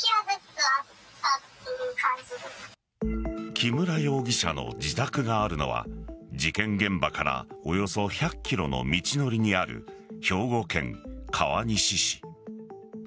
木村容疑者の自宅があるのは事件現場からおよそ１００ｋｍの道のりにある兵庫県川西市。